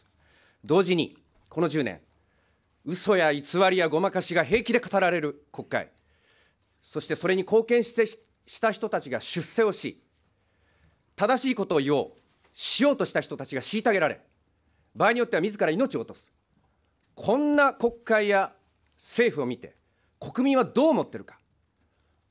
同時にこの１０年、うそや偽りやごまかしが平気で語られる国会、そしてそれに貢献した人たちが出世をし、正しいことを言おう、しようとした人たちがしいたげられ、場合によってはみずから命を落とす、こんな国会や政府を見て、国民はどう思っているか。